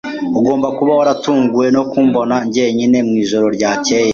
Ugomba kuba waratunguwe no kumbona jyenyine mwijoro ryakeye.